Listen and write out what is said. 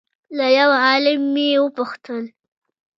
له یو عالمه یې وپوښتل